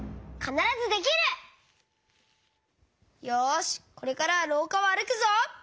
よしこれからはろうかをあるくぞ！